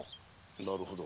なるほど。